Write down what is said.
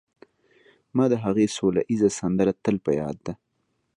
ما د هغې سوله ييزه سندره تل په ياد ده